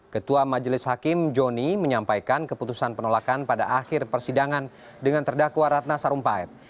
ketua majelis hakim joni menyampaikan keputusan penolakan pada akhir persidangan dengan terdakwa ratna sarumpait